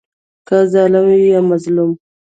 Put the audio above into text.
که ظالم وي یا مظلوم.